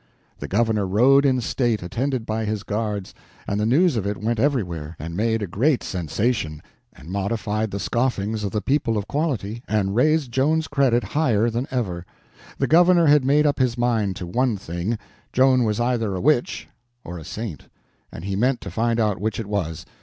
The governor rode in state, attended by his guards, and the news of it went everywhere, and made a great sensation, and modified the scoffings of the people of quality and raised Joan's credit higher than ever. The governor had made up his mind to one thing: Joan was either a witch or a saint, and he meant to find out which it was.